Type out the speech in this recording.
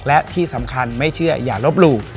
และที่สำคัญไม่เชื่ออย่าลบหลู่